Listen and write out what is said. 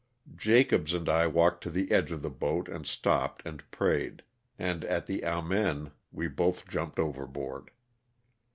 Jacobs and I walked to the edge of the boat and stopped and prayed, and, at the amen, we both jumped overboard.